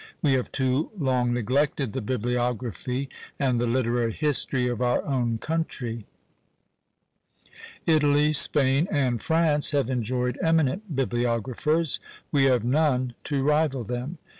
We have too long neglected the bibliography and the literary history of our own country. Italy, Spain, and France have enjoyed eminent bibliographers we have none to rival them.